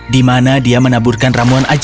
di mana dia menaburkan ramuan ajaib ke hewan